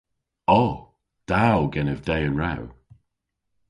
O! Da o genev dehen rew.